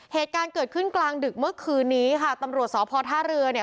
เหตุการณ์เกิดขึ้นกลางดึกเมื่อคืนนี้ค่ะตำรวจสพท่าเรือเนี่ย